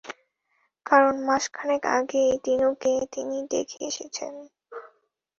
কারণ মাস খানেক আগেই দিনুকে তিনি দেখে এসেছেন।